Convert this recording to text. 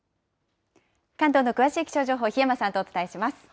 関東の詳しい気象情報、檜山さんとお伝えします。